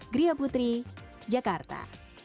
gria putri jakarta